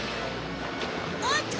おっと！